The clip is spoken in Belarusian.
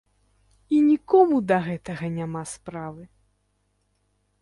І нікому да гэтага няма справы!